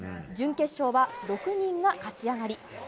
準決勝は６人が勝ち上がり。